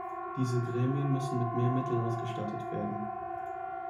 Diese Gremien müssen mit mehr Mitteln ausgestattet werden.